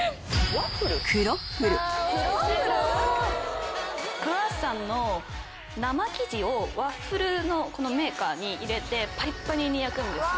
クロワッサンの生地をワッフルのメーカーに入れてパリッパリに焼くんですよ。